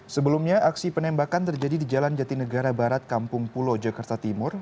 sebelumnya aksi penembakan terjadi di jalan jatinegara barat kampung pulo jakarta timur